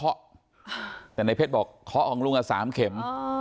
แต่ถ้าอยากจะตีเขาก็ไม่ได้อย่างนี้หรอก